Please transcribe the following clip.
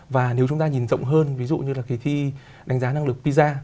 và nếu chúng ta nhìn rộng hơn ví dụ như là kỳ thi đánh giá năng lực pizza